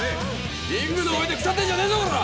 リングの上で腐ってんじゃねえぞコラ！